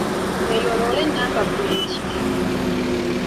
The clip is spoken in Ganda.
Eyo loole nnamba puleeti ki?